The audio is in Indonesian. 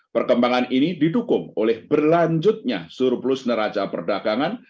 perkembangan ini didukung oleh berlanjutnya surplus neraca perdagangan